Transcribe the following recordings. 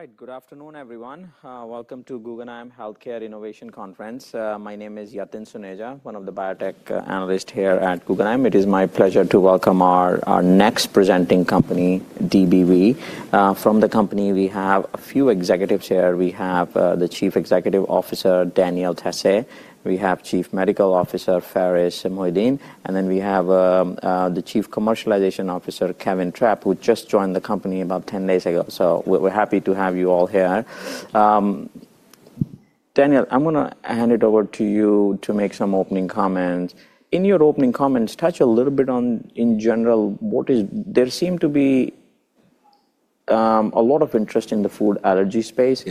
All right. Good afternoon, everyone. Welcome to Guggenheim Healthcare Innovation Conference. My name is Yatin Suneja, one of the biotech analysts here at Guggenheim. It is my pleasure to welcome our next presenting company, DBV. From the company, we have a few executives here. We have the Chief Executive Officer, Daniel Tassé. We have Chief Medical Officer, Pharis Mohideen. And then we have the Chief Commercialization Officer, Kevin Trapp, who just joined the company about 10 days ago. So we're happy to have you all here. Daniel, I'm going to hand it over to you to make some opening comments. In your opening comments, touch a little bit on, in general, what is there seem to be a lot of interest in the food allergy space.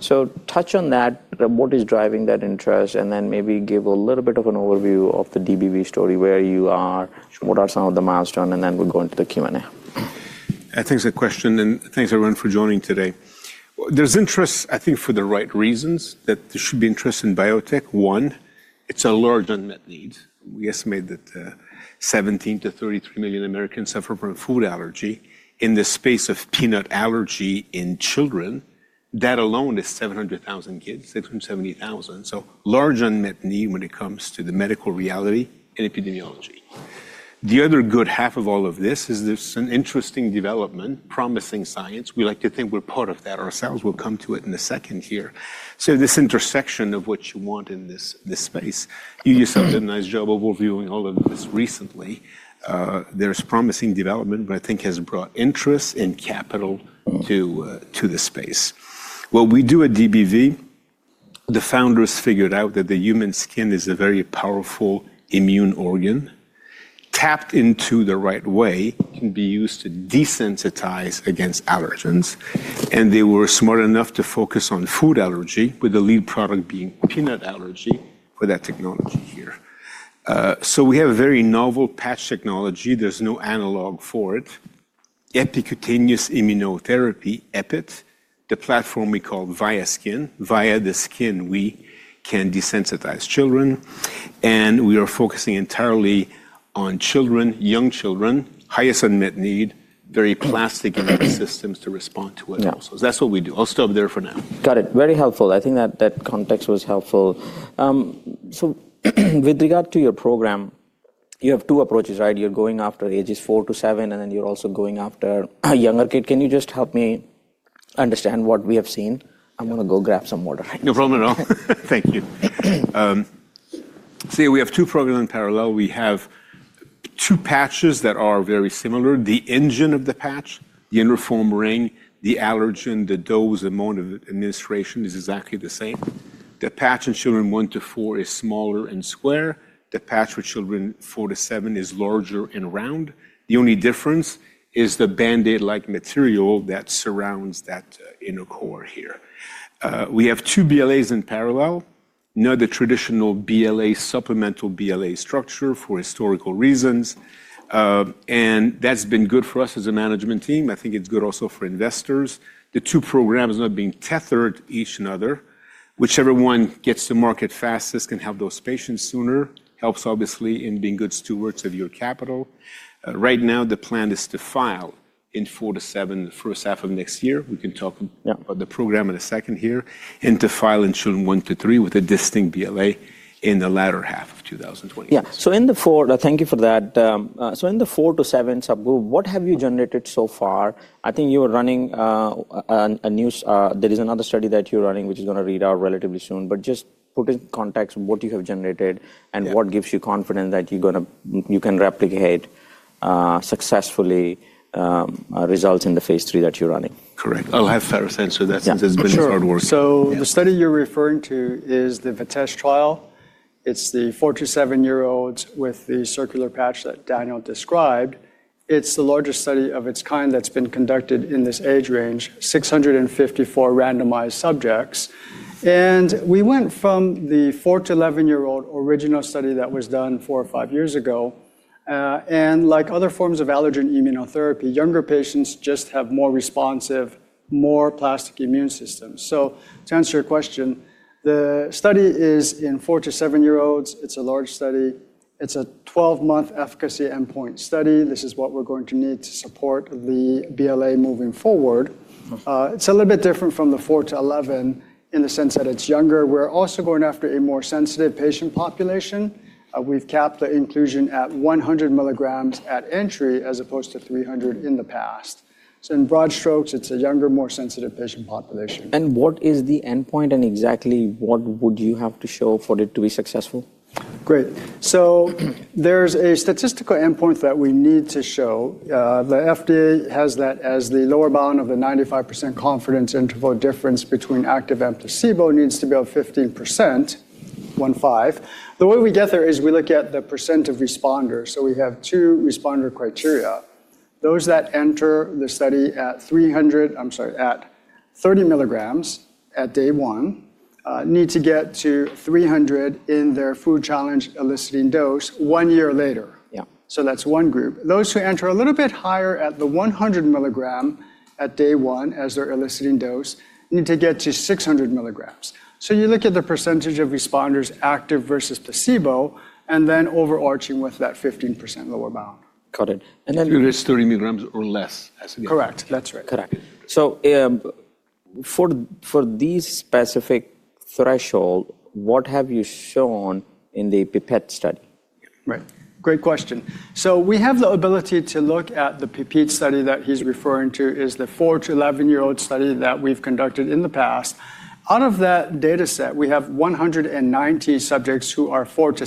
So touch on that. What is driving that interest? Maybe give a little bit of an overview of the DBV story, where you are, what are some of the milestones, and then we'll go into the Q&A. Thanks for the question. Thanks, everyone, for joining today. There's interest, I think, for the right reasons that there should be interest in biotech. One, it's a large unmet need. We estimate that 17-33 million Americans suffer from a food allergy. In the space of peanut allergy in children, that alone is 700,000 kids, 670,000. Large unmet need when it comes to the medical reality and epidemiology. The other good half of all of this is there's an interesting development, promising science. We like to think we're part of that ourselves. We'll come to it in a second here. This intersection of what you want in this space, you did such a nice job overviewing all of this recently. There's promising development, but I think has brought interest and capital to the space. What we do at DBV, the founders figured out that the human skin is a very powerful immune organ. Tapped into the right way, it can be used to desensitize against allergens. They were smart enough to focus on food allergy, with the lead product being peanut allergy for that technology here. We have a very novel patch technology. There is no analog for it. Epicutaneous immunotherapy, EPIT, the platform we call VIASKIN. Via the skin, we can desensitize children. We are focusing entirely on children, young children, highest unmet need, very plastic immune systems to respond to it also. That is what we do. I'll stop there for now. Got it. Very helpful. I think that context was helpful. With regard to your program, you have two approaches, right? You're going after ages four to seven, and then you're also going after a younger kid. Can you just help me understand what we have seen? I'm going to go grab some water. No problem at all. Thank you. See, we have two programs in parallel. We have two patches that are very similar. The engine of the patch, the uniform ring, the allergen, the dose, the mode of administration is exactly the same. The patch in children one to four is smaller and square. The patch for children four to seven is larger and round. The only difference is the Band-Aid-like material that surrounds that inner core here. We have two BLAs in parallel, not the traditional BLA supplemental BLA structure for historical reasons. That has been good for us as a management team. I think it is good also for investors. The two programs are not being tethered to each other. Whichever one gets to market fastest can help those patients sooner. Helps, obviously, in being good stewards of your capital. Right now, the plan is to file in four to seven, the first half of next year. We can talk about the program in a second here. And to file in children one to three with a distinct BLA in the latter half of 2024. Yeah. In the four to seven, what have you generated so far? I think you were running a news, there is another study that you're running, which is going to read out relatively soon. Just put in context what you have generated and what gives you confidence that you can replicate successfully results in the phase III that you're running. Correct. I'll have Pharis answer that since it's been hard work. The study you're referring to is the VITESSE trial. It's the four to seven-year-olds with the circular patch that Daniel described. It's the largest study of its kind that's been conducted in this age range, 654 randomized subjects. We went from the four to eleven-year-old original study that was done four or five years ago. Like other forms of allergen immunotherapy, younger patients just have more responsive, more plastic immune systems. To answer your question, the study is in four to seven-year-olds. It's a large study. It's a 12-month efficacy endpoint study. This is what we're going to need to support the BLA moving forward. It's a little bit different from the four to eleven in the sense that it's younger. We're also going after a more sensitive patient population. We've capped the inclusion at 100 mg at entry as opposed to 300 in the past. In broad strokes, it's a younger, more sensitive patient population. What is the endpoint? Exactly what would you have to show for it to be successful? Great. There is a statistical endpoint that we need to show. The FDA has that as the lower bound of the 95% confidence interval difference between active and placebo needs to be about 15%, 1.5. The way we get there is we look at the percent of responders. We have two responder criteria. Those that enter the study at 30 mg at day one need to get to 300 in their food challenge eliciting dose one year later. That is one group. Those who enter a little bit higher at the 100 mg at day one as their eliciting dose need to get to 600 mg. You look at the percentage of responders active versus placebo, and then overarching with that 15% lower bound. Got it. Then. Through this 30 mg or less as it is. Correct. That's right. Correct. For this specific threshold, what have you shown in the Papeete study? Right. Great question. We have the ability to look at the Papeete study that he's referring to is the four to 11-year-old study that we've conducted in the past. Out of that data set, we have 190 subjects who are four to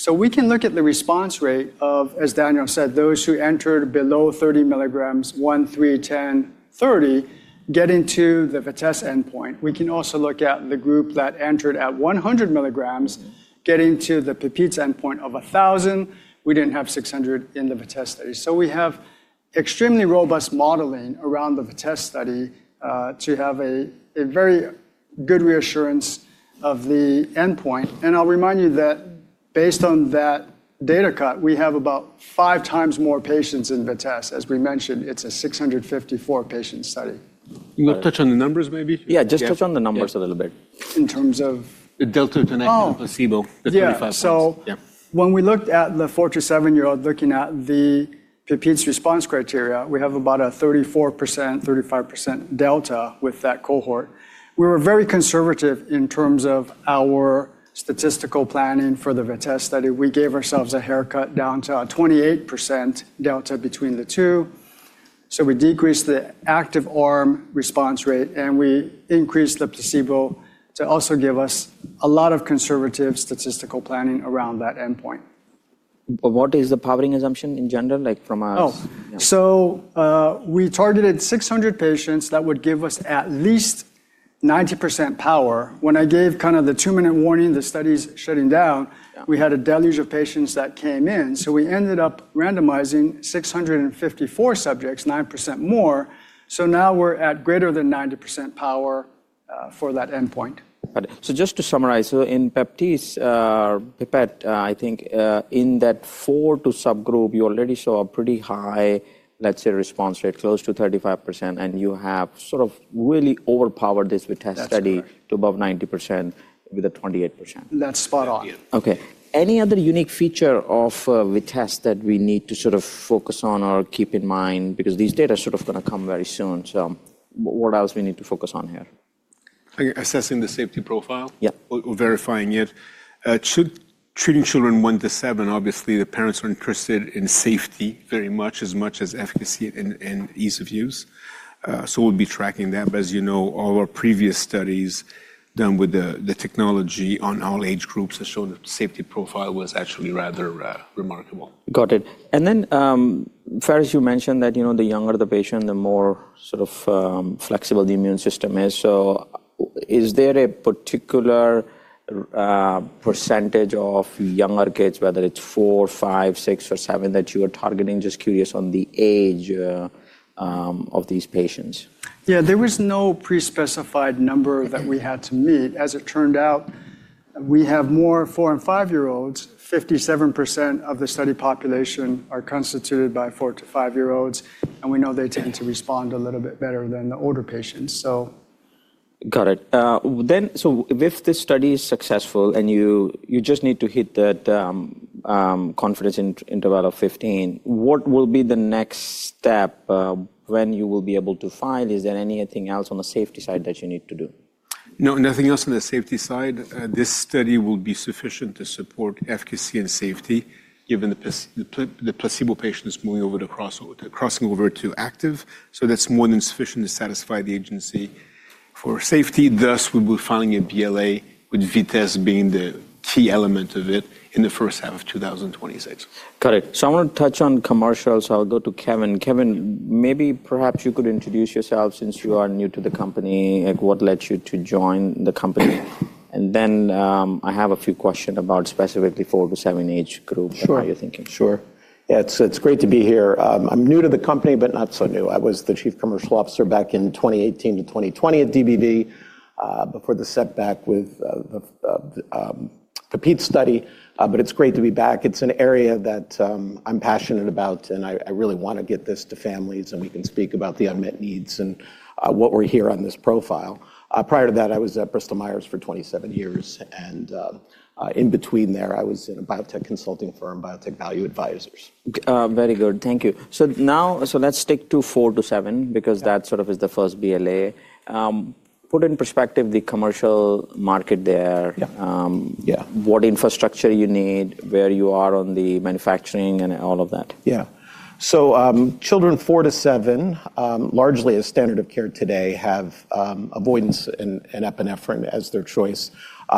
seven. We can look at the response rate of, as Daniel said, those who entered below 30 mg, 1, 3, 10, 30, getting to the VITESSE endpoint. We can also look at the group that entered at 100 mg, getting to the Papeete endpoint of 1,000. We did not have 600 in the VITESSE study. We have extremely robust modeling around the VITESSE study to have a very good reassurance of the endpoint. I'll remind you that based on that data cut, we have about five times more patients in VITESSE. As we mentioned, it's a 654-patient study. You want to touch on the numbers, maybe? Yeah, just touch on the numbers a little bit. In terms of? The delta to 19 placebo, the 35%. Yeah. When we looked at the four to seven-year-old looking at the Papeete response criteria, we have about a 34%-35% delta with that cohort. We were very conservative in terms of our statistical planning for the VITESSE study. We gave ourselves a haircut down to a 28% delta between the two. We decreased the active arm response rate, and we increased the placebo to also give us a lot of conservative statistical planning around that endpoint. What is the powering assumption in general, like from a. Oh. We targeted 600 patients that would give us at least 90% power. When I gave kind of the two-minute warning, the study's shutting down, we had a deluge of patients that came in. We ended up randomizing 654 subjects, 9% more. Now we're at greater than 90% power for that endpoint. Got it. So just to summarize, so in Papeete, I think in that four to subgroup, you already saw a pretty high, let's say, response rate, close to 35%. And you have sort of really overpowered this VITESSE study to above 90% with a 28%. That's spot on. OK. Any other unique feature of VITESSE that we need to sort of focus on or keep in mind? Because these data are sort of going to come very soon. What else do we need to focus on here? Assessing the safety profile? Yeah. Or verifying it. Treating children one to seven, obviously, the parents are interested in safety very much, as much as efficacy and ease of use. We will be tracking that. As you know, all our previous studies done with the technology on all age groups have shown that the safety profile was actually rather remarkable. Got it. Pharis, you mentioned that the younger the patient, the more sort of flexible the immune system is. Is there a particular percentage of younger kids, whether it's four, five, six, or seven, that you are targeting? Just curious on the age of these patients. Yeah. There was no pre-specified number that we had to meet. As it turned out, we have more four and five-year-olds. 57% of the study population are constituted by four to five-year-olds. We know they tend to respond a little bit better than the older patients, so. Got it. If this study is successful, and you just need to hit that confidence interval of 15, what will be the next step when you will be able to find? Is there anything else on the safety side that you need to do? No, nothing else on the safety side. This study will be sufficient to support efficacy and safety, given the placebo patients moving over to crossing over to active. That is more than sufficient to satisfy the agency for safety. Thus, we will be filing a BLA, with VITESSE being the key element of it in the first half of 2026. Got it. I want to touch on commercials. I'll go to Kevin. Kevin, maybe perhaps you could introduce yourself since you are new to the company. What led you to join the company? I have a few questions about specifically four to seven age group. How are you thinking? Sure. Sure. Yeah, it's great to be here. I'm new to the company, but not so new. I was the Chief Commercial Officer back in 2018 to 2020 at DBV before the setback with the Papeete study. It's great to be back. It's an area that I'm passionate about. I really want to get this to families. We can speak about the unmet needs and what we're here on this profile. Prior to that, I was at Bristol Myers for 27 years. In between there, I was in a biotech consulting firm, Biotech Value Advisors. Very good. Thank you. Now, let's stick to four to seven, because that sort of is the first BLA. Put in perspective the commercial market there. What infrastructure you need, where you are on the manufacturing, and all of that. Yeah. Children four to seven, largely as standard of care today, have avoidance and epinephrine as their choice.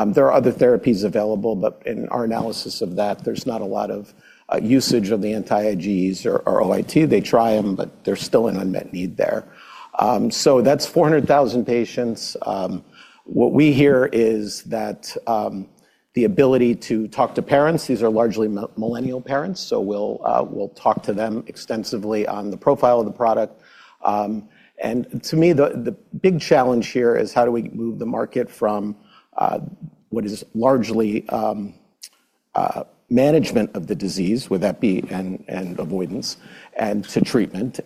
There are other therapies available. In our analysis of that, there's not a lot of usage of the anti-IGs or OIT. They try them, but there's still an unmet need there. That's 400,000 patients. What we hear is that the ability to talk to parents, these are largely millennial parents. We talk to them extensively on the profile of the product. To me, the big challenge here is how do we move the market from what is largely management of the disease, with that being avoidance, to treatment.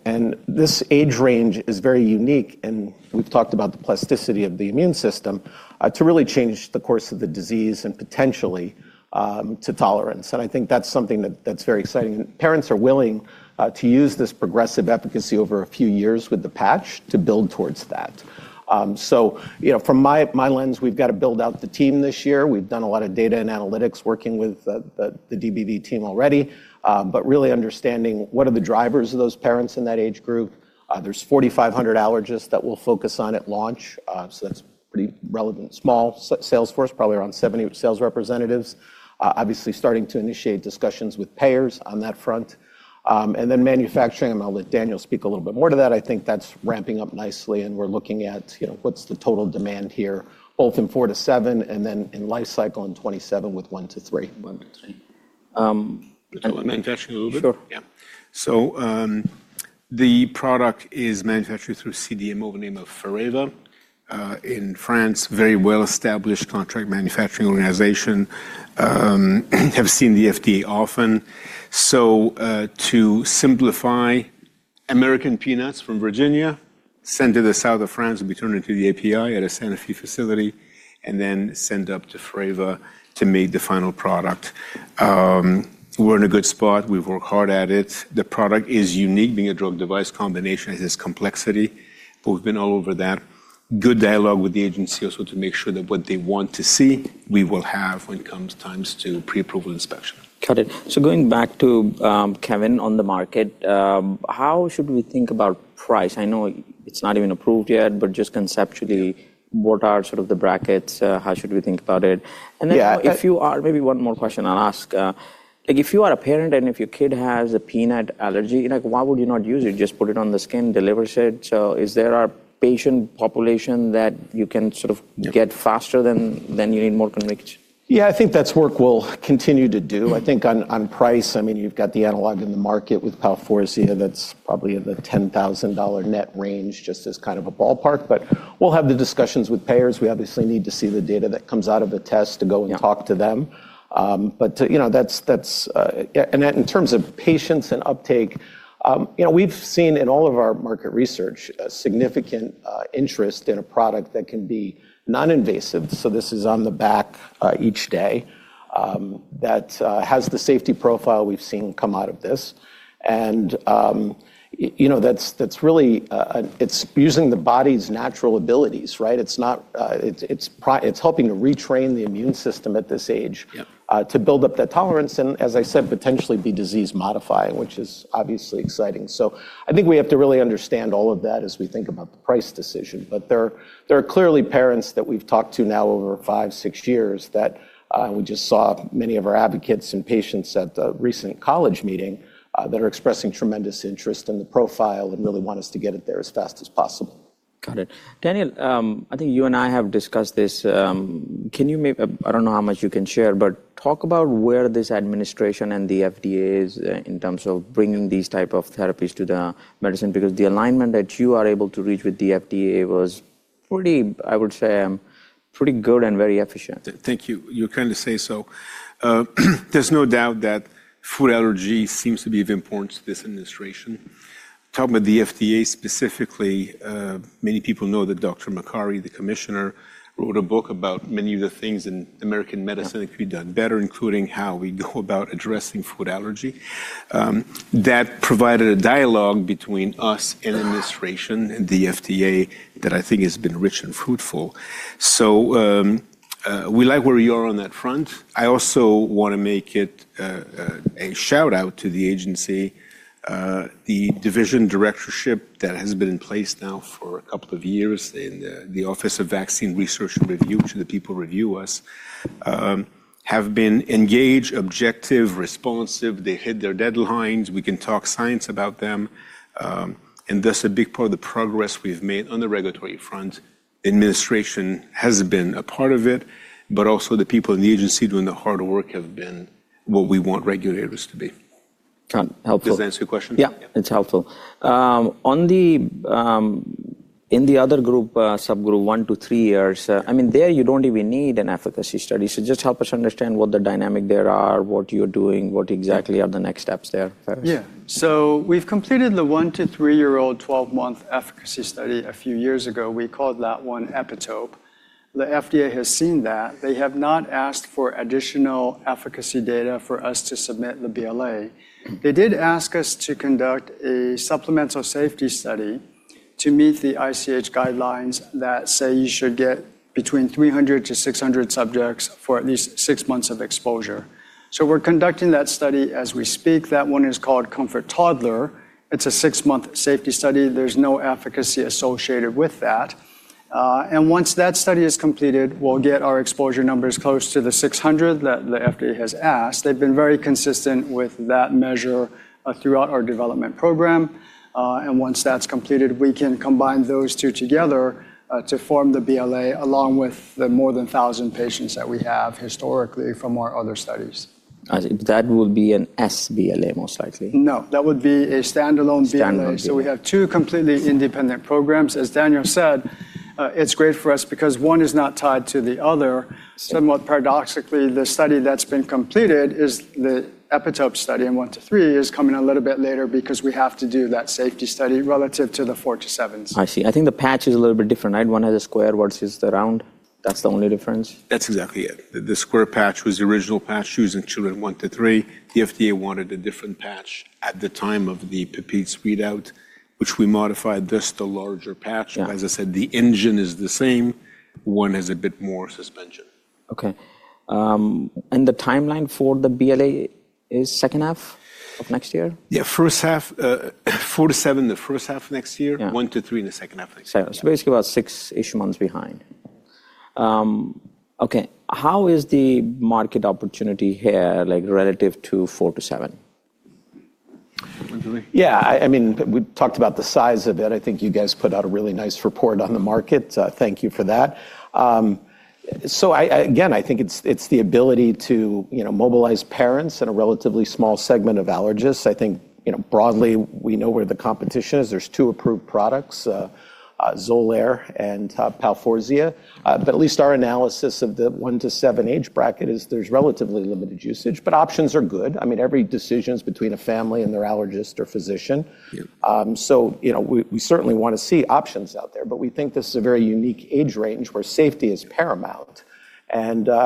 This age range is very unique. We've talked about the plasticity of the immune system to really change the course of the disease and potentially to tolerance. I think that's something that's very exciting. Parents are willing to use this progressive efficacy over a few years with the patch to build towards that. From my lens, we've got to build out the team this year. We've done a lot of data and analytics working with the DBV team already. Really understanding what are the drivers of those parents in that age group. There are 4,500 allergists that we'll focus on at launch. That's pretty relevant. Small sales force, probably around 70 sales representatives. Obviously, starting to initiate discussions with payers on that front. Manufacturing, and I'll let Daniel speak a little bit more to that. I think that's ramping up nicely. We're looking at what's the total demand here, both in four to seven and then in life cycle in 2027 with one to three. One to three. Manufacturing a little bit. Sure. Yeah. So the product is manufactured through CDMO, the name of Fareva in France, very well-established contract manufacturing organization. Have seen the FDA often. To simplify, American peanuts from Virginia, sent to the south of France, will be turned into the API at a Santa Fe facility, and then sent up to Fareva to make the final product. We're in a good spot. We've worked hard at it. The product is unique, being a drug-device combination and its complexity. We've been all over that. Good dialogue with the agency also to make sure that what they want to see, we will have when it comes time to pre-approval inspection. Got it. Going back to Kevin on the market, how should we think about price? I know it's not even approved yet, but just conceptually, what are sort of the brackets? How should we think about it? If you are, maybe one more question I'll ask. If you are a parent and if your kid has a peanut allergy, why would you not use it? Just put it on the skin, delivers it. Is there a patient population that you can sort of get faster than you need more convinced? Yeah, I think that's work we'll continue to do. I think on price, I mean, you've got the analog in the market with Palforzia. That's probably in the $10,000 net range just as kind of a ballpark. We'll have the discussions with payers. We obviously need to see the data that comes out of the test to go and talk to them. In terms of patients and uptake, we've seen in all of our market research a significant interest in a product that can be non-invasive. This is on the back each day that has the safety profile we've seen come out of this. That's really, it's using the body's natural abilities, right? It's helping to retrain the immune system at this age to build up that tolerance and, as I said, potentially be disease modifying, which is obviously exciting. I think we have to really understand all of that as we think about the price decision. But there are clearly parents that we've talked to now over five, six years that we just saw, many of our advocates and patients at the recent college meeting that are expressing tremendous interest in the profile and really want us to get it there as fast as possible. Got it. Daniel, I think you and I have discussed this. Can you maybe, I don't know how much you can share, but talk about where this administration and the FDA is in terms of bringing these types of therapies to the medicine, because the alignment that you are able to reach with the FDA was pretty, I would say, pretty good and very efficient. Thank you. You're kind to say so. There's no doubt that food allergy seems to be of importance to this administration. Talking about the FDA specifically, many people know that Dr. Makari, the commissioner, wrote a book about many of the things in American medicine that could be done better, including how we go about addressing food allergy. That provided a dialogue between us and the administration and the FDA that I think has been rich and fruitful. We like where you are on that front. I also want to make it a shout-out to the agency. The division directorship that has been in place now for a couple of years in the Office of Vaccine Research and Review to the people who review us have been engaged, objective, responsive. They hit their deadlines. We can talk science about them. A big part of the progress we've made on the regulatory front, the administration has been a part of it. Also, the people in the agency doing the hard work have been what we want regulators to be. Helpful. Does that answer your question? Yeah, it's helpful. In the other group, subgroup, one to three years, I mean, there you don't even need an efficacy study. Just help us understand what the dynamic there are, what you're doing, what exactly are the next steps there. Yeah. We've completed the one to three-year-old 12-month efficacy study a few years ago. We called that one EPITOPE. The FDA has seen that. They have not asked for additional efficacy data for us to submit the BLA. They did ask us to conduct a supplemental safety study to meet the ICH guidelines that say you should get between 300-600 subjects for at least six months of exposure. We're conducting that study as we speak. That one is called COMFORT Toddlers. It's a six-month safety study. There's no efficacy associated with that. Once that study is completed, we'll get our exposure numbers close to the 600 that the FDA has asked. They've been very consistent with that measure throughout our development program. Once that's completed, we can combine those two together to form the BLA along with the more than 1,000 patients that we have historically from our other studies. That will be an sBLA, most likely. No, that would be a standalone BLA. We have two completely independent programs. As Daniel said, it's great for us because one is not tied to the other. Somewhat paradoxically, the study that's been completed is the EPITOPE study and one to three is coming a little bit later because we have to do that safety study relative to the four to sevens. I see. I think the patch is a little bit different. Right? One has a square. One's just round. That's the only difference. That's exactly it. The square patch was the original patch used in children one to three. The FDA wanted a different patch at the time of the Papeete's readout, which we modified, just the larger patch. As I said, the engine is the same. One has a bit more suspension. OK. The timeline for the BLA is second half of next year? Yeah, first half four to seven, the first half of next year, one to three in the second half of next year. So basically about six-ish months behind. OK. How is the market opportunity here relative to four to seven? Yeah, I mean, we talked about the size of it. I think you guys put out a really nice report on the market. Thank you for that. Again, I think it's the ability to mobilize parents in a relatively small segment of allergists. I think broadly, we know where the competition is. There are two approved products, Xolair and Palforzia. At least our analysis of the one to seven age bracket is there's relatively limited usage. Options are good. I mean, every decision is between a family and their allergist or physician. We certainly want to see options out there. We think this is a very unique age range where safety is paramount.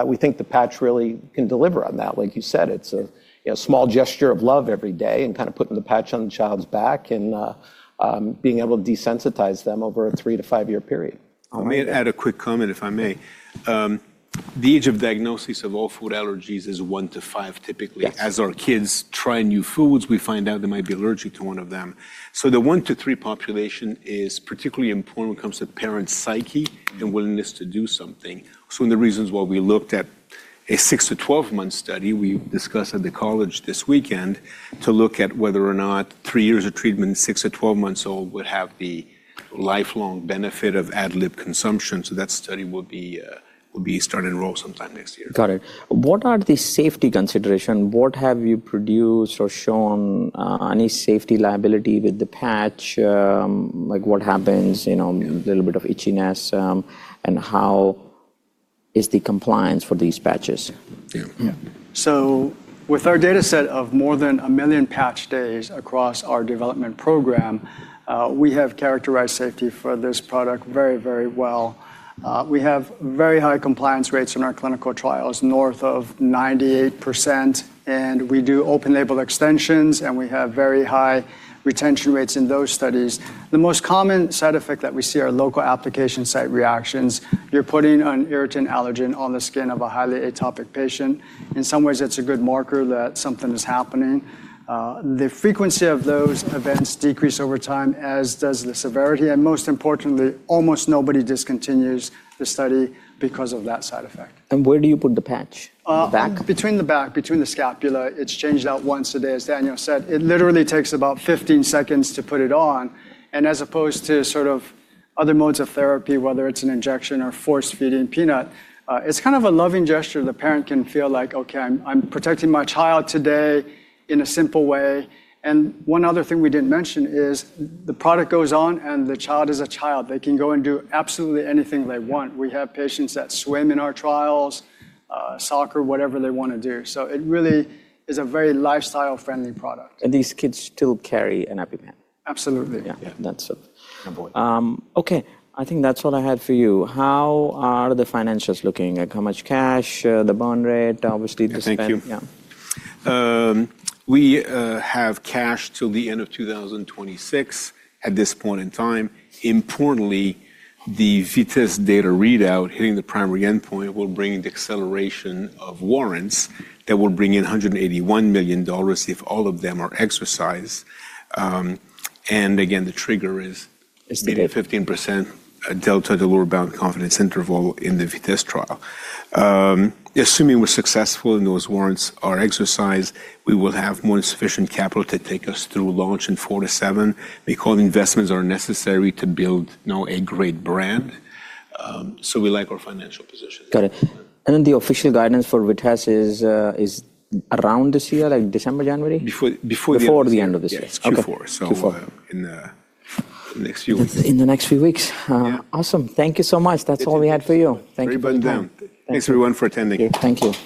We think the patch really can deliver on that. Like you said, it's a small gesture of love every day and kind of putting the patch on the child's back and being able to desensitize them over a three to five year period. I may add a quick comment, if I may. The age of diagnosis of all food allergies is one to five, typically. As our kids try new foods, we find out they might be allergic to one of them. The one to three population is particularly important when it comes to parents' psyche and willingness to do something. One of the reasons why we looked at a six to 12 month study, we discussed at the college this weekend to look at whether or not three years of treatment in six to 12 month olds would have the lifelong benefit of ad lib consumption. That study will be starting roll sometime next year. Got it. What are the safety considerations? What have you produced or shown any safety liability with the patch? Like what happens, a little bit of itchiness? How is the compliance for these patches? Yeah. With our data set of more than a million patch days across our development program, we have characterized safety for this product very, very well. We have very high compliance rates in our clinical trials, north of 98%. We do open label extensions. We have very high retention rates in those studies. The most common side effect that we see are local application site reactions. You're putting an irritant allergen on the skin of a highly atopic patient. In some ways, it's a good marker that something is happening. The frequency of those events decreases over time, as does the severity. Most importantly, almost nobody discontinues the study because of that side effect. Where do you put the patch? In the back? Between the back, between the scapula. It is changed out once a day, as Daniel said. It literally takes about 15 seconds to put it on. As opposed to sort of other modes of therapy, whether it is an injection or force-feeding peanut, it is kind of a loving gesture. The parent can feel like, OK, I am protecting my child today in a simple way. One other thing we did not mention is the product goes on and the child is a child. They can go and do absolutely anything they want. We have patients that swim in our trials, soccer, whatever they want to do. It really is a very lifestyle-friendly product. These kids still carry an EpiPen. Absolutely. OK. I think that's all I had for you. How are the financials looking? How much cash, the bond rate, obviously. Thank you. We have cash till the end of 2026 at this point in time. Importantly, the VITESSE data readout hitting the primary endpoint will bring the acceleration of warrants that will bring in $181 million if all of them are exercised. The trigger is 15% delta to lower bound confidence interval in the VITESSE trial. Assuming we're successful and those warrants are exercised, we will have more sufficient capital to take us through launch in four to seven. We call investments are necessary to build a great brand. So we like our financial position. Got it. And then the official guidance for VITESSE is around this year, like December, January? Before the end of this year. Before the end of this year. Before. Before. In the next few weeks. In the next few weeks. Awesome. Thank you so much. That's all we had for you. Thank you. Thanks, everyone, for attending. Thank you.